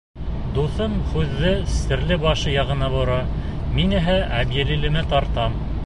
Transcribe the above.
Дуҫым һүҙҙе Стәрлебашы яғына бора, мин иһә Әбйәлилемә тартам.